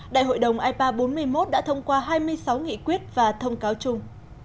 đại hội đồng ipa bốn mươi một đã thông qua hai mươi sáu nghị quyết và thông cáo chung